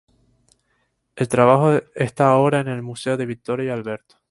El trabajo está ahora en el Museo de Victoria y Alberto.